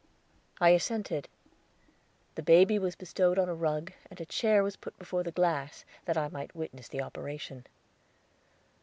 I assented; the baby was bestowed on a rug, and a chair was put before the glass, that I might witness the operation.